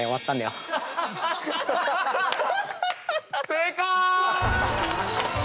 正解！